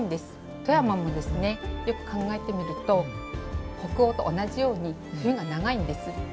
富山もですねよく考えてみると北欧と同じように冬が長いんです。